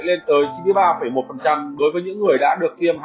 lên tới chín mươi ba một đối với những người đã được tiêm